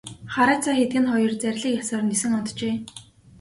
Хараацай хэдгэнэ хоёр зарлиг ёсоор нисэн оджээ.